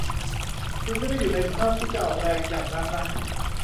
คุณไม่ได้อยู่ในสภาพที่จะออกแรงอย่างนั้นนะ